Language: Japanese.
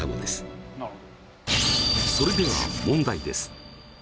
それでは問題です。